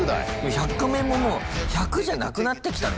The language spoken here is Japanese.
「１００カメ」ももう１００じゃなくなってきたね